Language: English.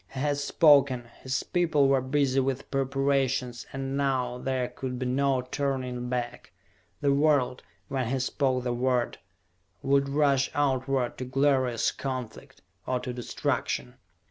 He had spoken, his people were busy with preparations, and now there could be no turning back. The world, when he spoke the word, would rush outward to glorious conflict or to destruction!